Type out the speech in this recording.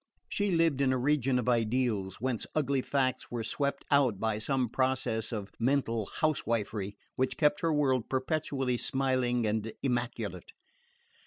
She lived in a region of ideals, whence ugly facts were swept out by some process of mental housewifery which kept her world perpetually smiling and immaculate.